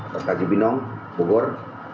pertanjir binong bukor